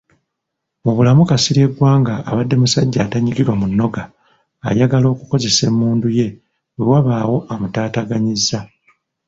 Mu bulamu Kasirye Gwanga abadde musajja atanyigirwa mu nnoga, ayagala okukozesa emmundu ye we wabaawo amutaataaganyizza.